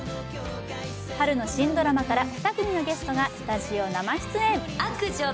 春の新ドラマから２組のゲストがスタジオ生出演。